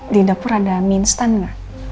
di dapur ada mie instan